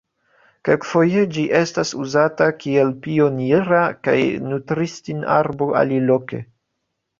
Kelkfoje ĝi estas uzata kiel pionira kaj nutristin-arbo aliloke.